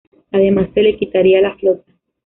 Además, se le quitaría la flota.